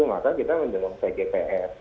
maka kita menjemput pgpf